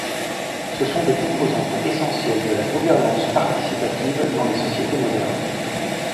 Ce sont des composantes essentielles de la gouvernance participative dans les sociétés modernes.